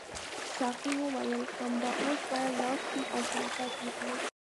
ساقي وویل همدا اوس باید لاړ شو او حرکت وکړو.